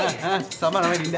hah sama namanya dinda